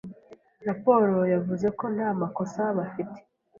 Raporo yavuze ko nta makosa bafite.